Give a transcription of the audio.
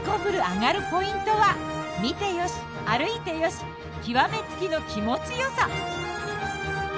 アガるポイントは見てよし歩いてよし極め付きの気持ちよさ。